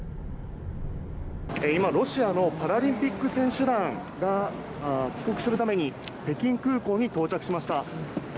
今、ロシアのパラリンピック選手団が帰国するために、北京空港に到着しました。